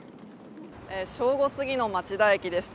正午すぎの町田駅です。